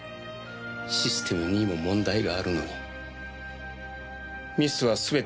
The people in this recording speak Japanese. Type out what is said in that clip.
システムにも問題があるのにミスはすべて現場の責任。